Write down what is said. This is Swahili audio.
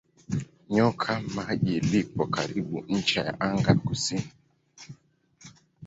Nyoka Maji lipo karibu ncha ya anga ya kusini.